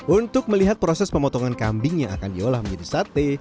untuk melihat proses pemotongan kambing yang akan diolah menjadi sate